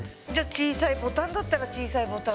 小さいボタンだったら小さいボタン。